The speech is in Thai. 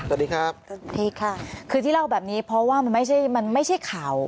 สวัสดีครับสวัสดีค่ะคือที่เล่าแบบนี้เพราะว่ามันไม่ใช่มันไม่ใช่ข่าว